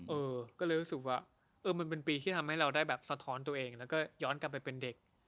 เออก็เลยรู้สึกว่าเออมันเป็นปีที่ทำให้เราได้แบบสะท้อนตัวเองแล้วก็ย้อนกลับไปเป็นเด็ก